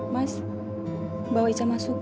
mas bawa ica masuk